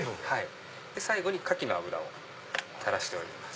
最後に牡蠣の油を垂らしております。